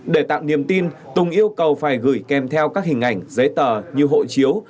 để tạo niềm tin tùng yêu cầu phải gửi kèm theo các hình ảnh giấy tờ như hộ chiếu